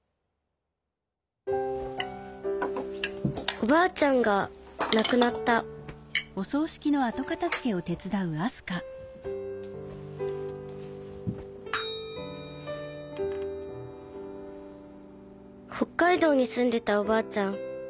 おばあちゃんがなくなった北海道にすんでたおばあちゃん